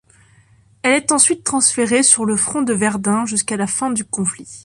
Elle est ensuite transférée sur le front de Verdun jusqu'à la fin du conflit.